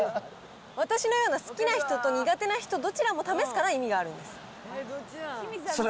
私のような好きな人と苦手な人、どちらも試すから、意味があるんです。